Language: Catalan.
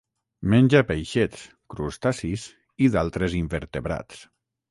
Menja peixets, crustacis i d'altres invertebrats.